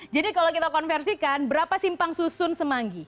kalau kita konversikan berapa simpang susun semanggi